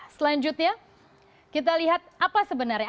selanjutnya kita lihat apa sebenarnya